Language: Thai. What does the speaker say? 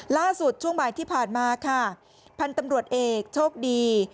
ช่วงบ่ายที่ผ่านมาค่ะพันธุ์ตำรวจเอกโชคดี